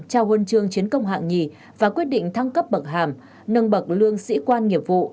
trao huân chương chiến công hạng nhì và quyết định thăng cấp bậc hàm nâng bậc lương sĩ quan nghiệp vụ